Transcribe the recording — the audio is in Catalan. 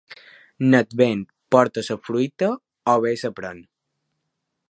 L'Advent porta la fruita o bé la pren.